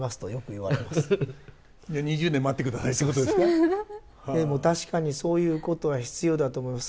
でも確かにそういうことは必要だと思います。